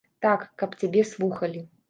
Так, каб цябе слухалі.